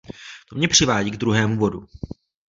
To mě přivádí k druhému bodu.